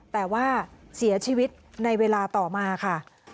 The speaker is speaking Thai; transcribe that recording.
แต่ว่าเสียชีวิตในเวลาต่อมาค่ะ